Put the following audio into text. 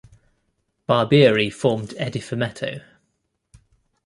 Barbieri formed Edifumetto.